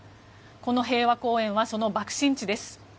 この平和公園はその爆心地です。